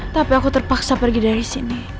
tapi aku terpaksa pergi dari sini